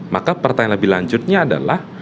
maka pertanyaan lebih lanjutnya adalah